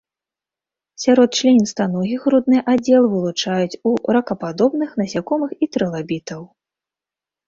Сярод членістаногіх грудны аддзел вылучаюць у ракападобных, насякомых і трылабітаў.